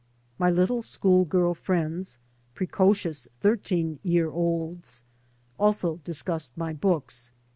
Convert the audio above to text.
My little school girl friends, precocious thirteen year olds, also discussed my books.